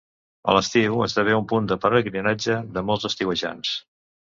A l’estiu esdevé un punt de pelegrinatge de molts estiuejants.